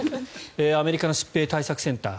アメリカの疾病対策センター。